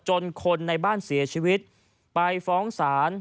จนคนในบ้านเสียชีวิตไปฟ้องศาล